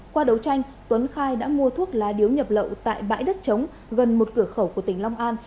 qua đấu tranh tuấn khai đã mua thuốc lá điếu nhập lậu tại bãi đất chống gần một cửa khẩu của tỉnh long an